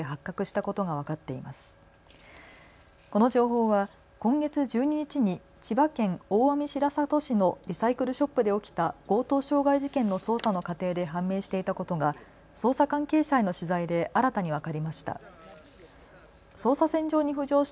この情報は今月１２日に千葉県大網白里市のリサイクルショップで起きた強盗傷害事件の捜査の過程で判明していたことが捜査関係者への取材で新たに分かりました。